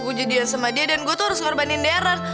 gue jadian sama dia dan gue tuh harus ngerbanin deren